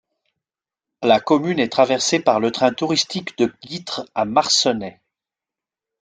La commune est traversée par le train touristique de Guîtres à Marcenais.